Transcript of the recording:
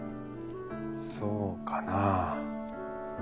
そうかなぁ。